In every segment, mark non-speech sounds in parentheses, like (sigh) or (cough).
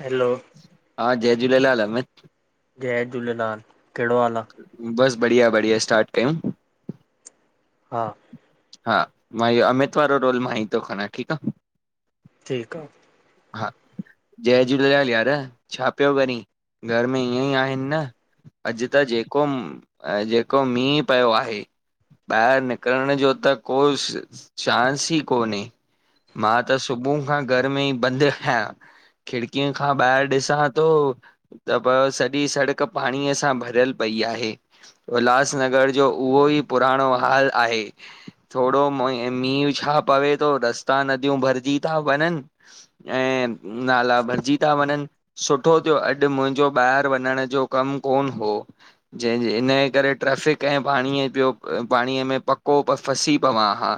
हलो हा जय झूलेलाल अमित जय झूलेलाल, कहिड़ो हाल आ बस बढ़िया बढ़िया, स्टार्ट कयूं हा हा मां इयाे अमित वारो रोल मां ही थाे खणा ठीक आ ठीक आ हा जय झूलेलाल यार, छा पियो करी घर में ईअं ई आहिन न अॼु त जेको जेको मींहुं पयो आहे ॿाहिर निकरण जो त कोई चांस ई कोन्हे मां त सुबुह खां घर में ई बंद आहियां खिड़कीअ खां ॿाहिर ॾिसां थो त पो सॼी सड़क पाणीअ सां भरियल पई आहे उल्हासनगर जो उहो ई पुराणो हाल आहे थोरो म मींह छा पवे थो रस्ता नदियूं भरजी था वञन ऐं नाला भरजी था वञन सु सुठो थियो अॼु मुंहिंजो ॿाहिर वञण जो कम कोन हो ज हिन जे करे ट्रेफिक ऐं पाणीअ जो पाणीअ में पक कोप फंसी पवां हा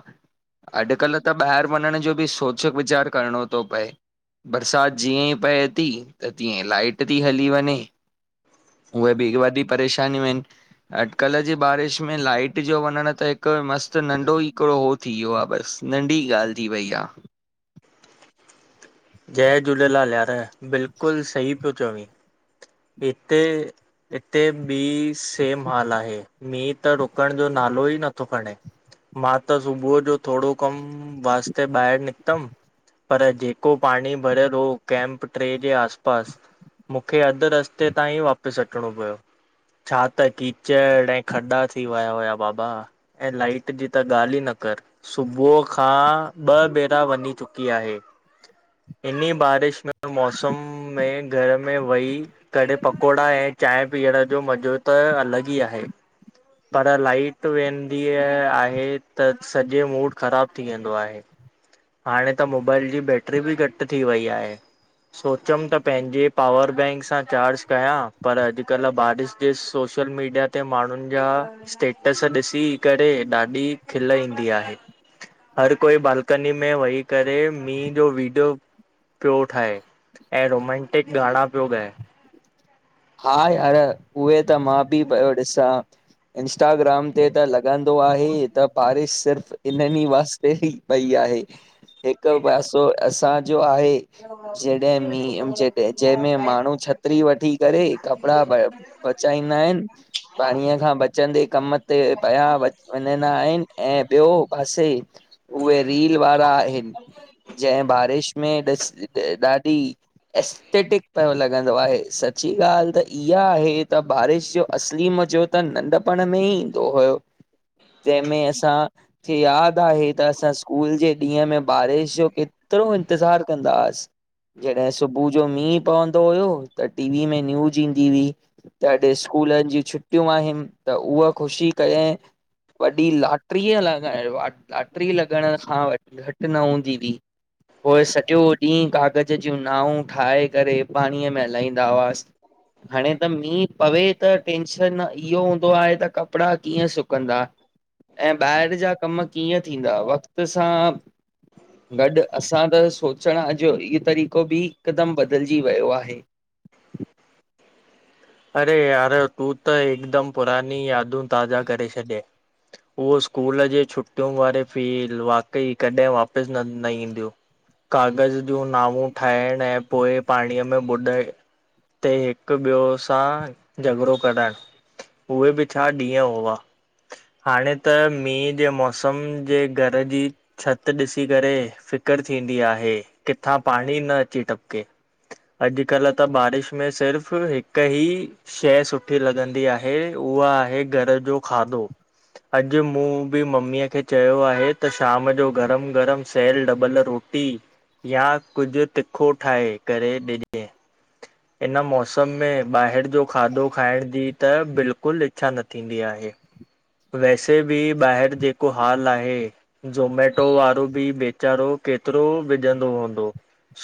अॼकल त ॿाहर वञण जो बि सोच विचार करिणो थो पए बरसात जीअं ई पए थी त तीअं लाइट थी हली वञे उहे बि ही वदी परेशानियूं आहिन अॼकल जी बारिश में लाइट जो वञण त हिक हिक मस्त नंढो ई हिकड़ो हो थी वियो आहे बस नंढी ॻाल थी वई आ जय झूलेलाल यार, बिल्कुल सही पियो चवीं हिते हिते भी सेम हाल आहे मीन्ह त रुकण जो नालो ई नथो खणे मा त सुबुह जो थोरो कम वास्ते ॿाहर निकतम पर जेको पाणी भरयल हो कैम्प टे जे आस पास मुंखे अध रस्ते रस्ते ताईं वापिस अचणो पयो छा त कीचड़ ऐं खॾा थी वया हुया बाबा ऐं लाइट जी त ॻाल ई न करो सुबह खां ॿ भेरा वञी चुकी आहे। इन्ही बारिश में मौसम में घर में वही करे पकोड़ा ऐं चाए पीअण जो मॼो त अलॻ ई आहे। पर लाइट वेंदी आहे, त सॼो मूड ख़राब थी वेंदो आहे। हाणे त मोबाइल जी बैटरी बि घट थी वई आहे। सोचयम त पंहिंजे पावर बैंक सां चार्ज कयां, पर अॼकल्ह बारिश (unintelligible) सोशल मीडिया ते माण्हुनि जा स्टेटस ॾिसी करे ॾाढी खिल ईंदी आहे, हर कोई बालकनी में वई करे मीहं जो वीडियो पियो ठाहे, ऐं रोमेंटिक ॻाणा पियो ॻाए। हा यार उहे त मां बि पयो ॾिसां। इंस्टाग्राम ते त लॻंदो आहे त बारिश सिर्फ़ इन्हनि ई वास ते ही पई आहे। (inaudible) हिक पासो असांजो आहे। जॾह मींहु, ॼ जंहिंमें माण्हू छतरी वठी कपड़ा बचा बचाईदा आहिन। पाणीअ खां बचंदे कम ते पया व वञंदा आहिनि ऐं ॿियो पासे उहे रील वारा आहिन जंहे बारिश में ॾिस ॾाढी एस्थेटिक पयो लॻंदो आहे सभ सची ॻाल्ह त इहा आहे त बारिश जो असली मज़ो त नंढपण में ई ईंदो हुयो। जंहिंमें असांखे यादि आहे त असां स्कूल जे ॾींहं में बारिश जो के तरो इंतज़ार कंदस, जॾहिं सुबह जो मींहुं पवंदो हुओ त टीवी में न्यूज ईंदी हुई। त अॼु स्कूलनि जी छुटियूं आहिनि, त उहा ख़ुशी करे वॾी लाटरीअ लॻाइयो, लाटरी लॻण खां व घटि न हूंन्दी हुई। पोइ सॼो ॾींह काग़ज़ जूं नाऊ ठाहे करे पाणीअ में हलाईंन दा वाज़ हाणे त मींह पवे त टेंशन इहो हूंदो आहे त कपड़ा कीअं सुकंदा? ऐं ॿाहेर जा कम कीअं थींदा वक़्त सां गॾ, असां त सोचणु अॼ इहो तरीक़ो बि हिकदम बदलजी वयो आहे। अरे यार तूं त हिकदम पुरानी यादूं ताज़ा करे छॾय। उहो स्कूल जी छुटियूं वारे फिल वाकई कॾहिं वापसि न, न ईंदियूं। काग़ज़ जूं नऊूं ठाहिण ऐं पोइ पाणीअ में बुॾाए ते हिकु, ॿियो? हा झगिड़ो कराइण, उहे बि छा ॾींहं हुआ। हाणे त मींह जे मौसम जे घर जी छति ॾिसी करे फ़िकरु थींदी आहे, किथां पाणी न अची टपिके। अॼुकल्ह त बारिश में सिर्फ़ हिकु कई शइ सुठी लॻंदी आहे, उहा आहे घर जो खाधो। अॼु मूं बि ममीअ खे चयो आहे त शाम जो गरम गरम सेेल डबल रोटी पटी या कुझु तिखो ठाहे करे ॾिजे इन मौसम में ॿाहिरि जो खाधो खाइण जी त बिल्कुलु इच्छा न थींदी आहे। वैसे बि ॿाहिरि जेको हाल आहे जोमेटो वारो बि वेचारो केतिरो विझंदो हूंदो।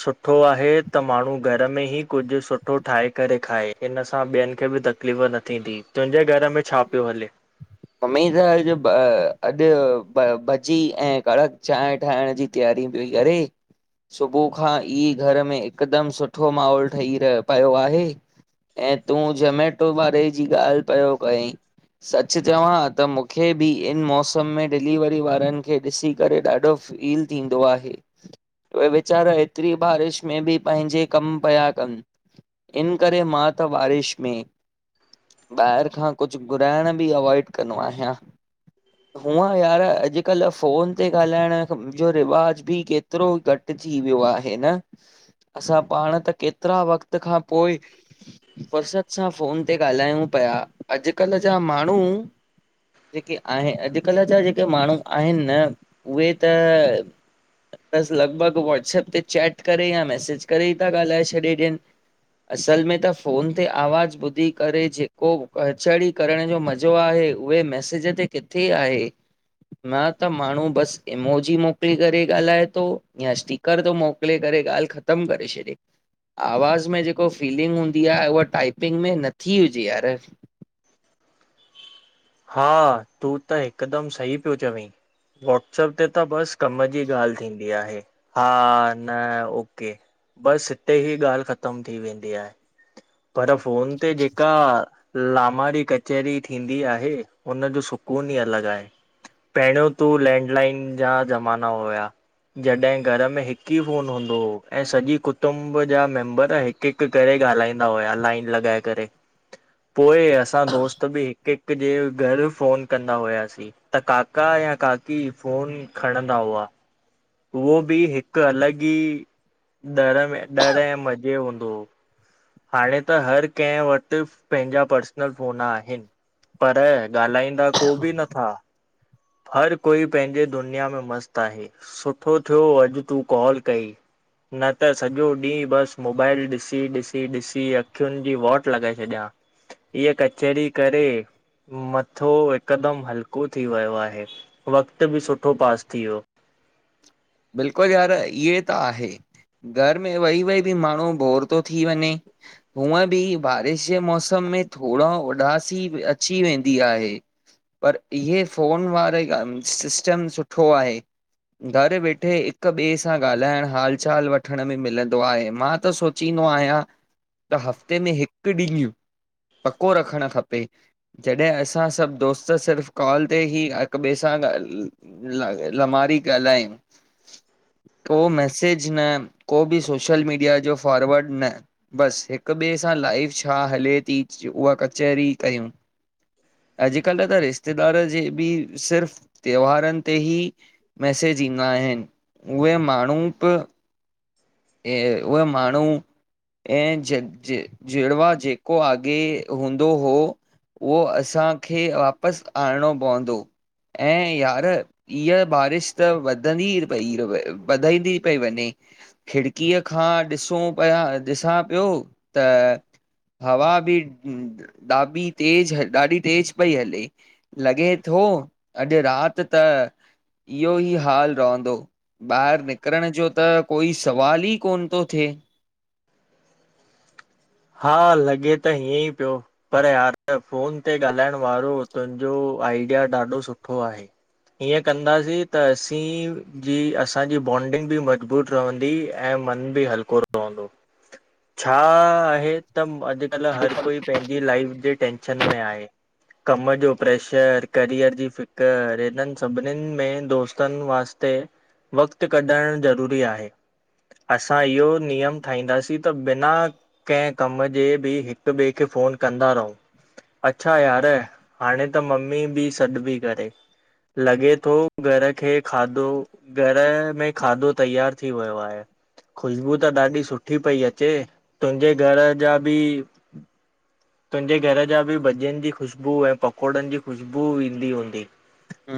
सुठो आहे त माण्हू घर में ई कुझु सुठो ठाहे करे खाए। इन सां ॿियनि खे बि तकलीफ़ न थींदी तुंहिंजे घर में छा पियो हले? मम्मी त अॼु अॼु भॼी ऐं कड़क चांहि ठाहिण जी तयारी पई करे सुबुह खां ई घर में हिकदमि सुठो माहौल ठही रहियो पियो आहे। ऐं तूं जोमेटो वारे जी ॻाल्हि पियो कई सच चवां त मूंखे बि इन मौसम में डिलीवरी वारनि खे ॾिसी करे ॾाढो फील थींदो आहे। उ वेचारा एतिरी बारिश में बि पंहिंजे कम पिया कनि। इन करे मां त बारिश में ॿाहिरि खां कुझु घुराइण बि अवॉइड कंदो आहियां। (inaudible) हुअं यार अॼुकल्ह फ़ोन ते ॻाल्हाइण जो रिवाज बि केतिरो घटि जी वियो आहे न असां पाण त केतिरा वक़्त खां पोइ फ़ुर्सत सां फोन ते ॻाल्हायूं पिया अॼुकल्ह जा माण्हू जेके आहिनि अॼुकल्ह जा जेके माण्हू आहिनि न उहे त बसि लॻभॻि व्हाट्सअप ते चैट करे या मैसेज करे ई था ॻाल्हाए छॾे ॾियनि असल में त फ़ोन ते आवाज़ु ॿुधी करे जेको कचहढ़ी करण जो मज़ो आहे उहे मैसेज ते किथे आहे। न त माण्हू बसि एमोजी मोकिले करे ॻाल्हाए थो या स्ट कर थो मोकिले करे ॻाल्हि ख़तमु करे छॾे। आवाज़ में जेको फीलिंग हूंदी आहे उहा टाइपिंग में नथी हुजे यार हा तूं त हिकदमि सही पियो चवी। वाट्सप ते त बसि कम जी ॻाल्हि थींदी आहे। हा न ओके बसि हिते ई ॻाल्हि ख़तम थी वेंदी आहे। पर फोन ते जेक जेका लामारी कचहरी थींदी आहे हुनजो सुकून ई अलॻि आहे। पहिरियों तू लैंडलाइन जा ज़माना हुया जॾहिं घर में हिकु ई फोन हूंदो हो ऐ सॼी कुटुंब जा मेम्बर हिकु हिकु करे ॻाल्हाईंदा पो असां दोस्त बि हिकु ॿिए जे घर फोन कंदा हुआसीं। त काका या काकी फोन खणंदा हुआ उहो बि हिकु अलॻि ई डर में डर ऐं मज़े हूंदो होओ हाणे त हर कंहिं वटि पंहिंजा पर्सनल फ़ोन आहिनि। पर ॻाल्हाईंदा को बि नथा हर कोई पंहिंजे दुनिया में मस्तु आहे सुठो थियो अॼु तूं कॉल कयई न त सॼो ॾींहुं बसि मोबाइल ॾिसी ॾिसी ॾिसी अखियुनि जी वॉट लॻाए छॾियां इहा कचरी करे मथो हिकदमि हल्को थी वियो आहे। वक़्तु बि सुठो पास थी वियो। बिल्कुलु यार इएं त आहे घर में वेही वेही बि माण्हू बोर थो थी वञे हूअं बि बारिश जे मौसम में थोरो उॾासी अची वेंदी आहे पर इहे फ़ोन वारा सिस्टम सुठो आहे घरु वेठे हिक ॿिए सां ॻाल्हाइण हाल चाल वठण में मिलंदो आहे, मां त सोचींदो आहियां त हफ़्ते में हिक ॾींह पको रखण खपे। जॾहिं असां सभ दोस्त सिर्फ़ कॉल ते ई हिक ॿिए सां ॻाल लमारी कलाइम (inaudible) को मैसेज न को बि सोशल मीडिया जो फॉर्वड न। बस हिक ॿिए सां लाइफ छा हले थी उहा कचहरी कयूं। अॼकल त रिश्तेदार जे बि सिर्फ़ त्योहारन ते ई मैसेज ईंद इन उहे माण ब ए उ माण हू ऐं जड़वा जेको आॻे हूंदो हो उहो असांखे वाप बस आणो पवंदो ऐं यार ईह बारिश त वध वधी पई वधाईंदी पई वञे खिड़कीअ खां ॾिसूं पिया ॾिसा पयो त हवा बि ॾाबी तेज ॾाढी तेज़ पई हले लॻे थो अॼ रात त इहो ई हाल रहंदो, ॿाहर निकरण जो त कोई सवाल ई कोन थो थिए। हा लॻे त हीअं ई पियो। पर यार त फ़ोन ते ॻाल्हाइण वारो तुंहिंजो आइडिया ॾाढो सुठो आहे। हिन कंदासीं त असीं जी असांजी बॉन्डिंग बि मज़बूत रहंदी ऐं मन बि हलको रहंदो। छा आहे त अॼकल हर कोई पंहिंजी लाइफ जी टेंशन हीन में आहे। कम जो प्रैशर करियर जी फ़िक्र हिनन सभिनिन में दोस्तन वास्ते ते वक़्त कढण ज़रूरी आहे। असां इहो नियम ठाहींदासीं त बिना कंहिं कम जे बि हिक ॿिए खे फ़ोन कंदा रहूं। अच्छा यार हाणे त मम्मी बि सॾबी करे लॻे थो घर खे खाधो घर में खाधो तयार थी वयो आहे, ख़ुशबू त ॾाढी सुठी पई अचे। तुंजे घर जा बि तुंजे घर जा बि भजियन जी ख़ुशबू ऐं पकौड़न जी ख़ुशबू ईंदी हूंदी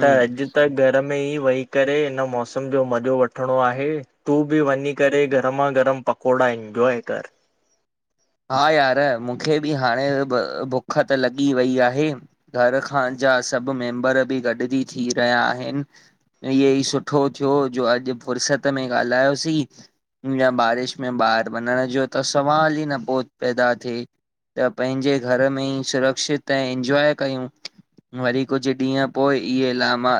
त अॼ त घर में ई वेही करे हिन मौसम जो मज़ो वठणो आहे। तू बि वञी करे गरमा गरम पकोड़ा इनजॉय कर। हा यार मुखे बि हाणे बुख त लॻी वई आहे। घर खां जा सभ मेम्बर बि गॾजी थी रहिया आहिन। इयहे ई सुठो थियो जो अॼ फ़ुर्सत में ॻाल्हायोसीं। या बारिश में बाहर वञण जो त सवाल ई न पो पैदा थे। त पंहिंजे घर में ई सुरक्षित ऐं इंजॉय कयूं। वरी कुछ ॾींहं पो इहे लामा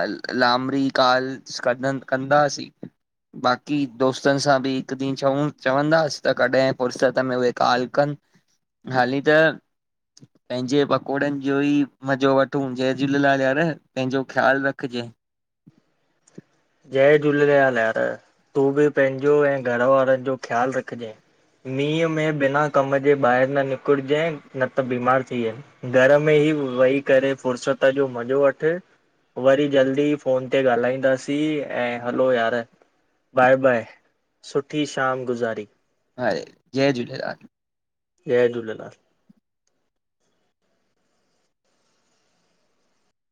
लामड़ी काल् कंदासीं बाक़ी दोस्तन सां बि हिक ॾींह च चवंदास त कॾहिं फुर्सत में कालकन हाली त पंहिंजे पकोड़न जो ई मज़ो वठूं जय झूलेलाल यार पंहिंजो ख़्याल रख जाये जय झूलेलाल यार। तूं बि पंहिंजो ऐं घर वारन जो ख़्याल रखजांइ। मींहं में बिना कम जे ॿाहर न निकुर जाये न त बीमार थियन। घर में ई वेही करे फ़ुर्सत जो मज़ो वठ। वरी जल्दी फोन ते ॻाल्हाईंद दासी, ऐं हलो यार, बाय -बाय सुठी शाम गुज़ारी। हाय, जय झूलेलाल। जय झूलेलाल।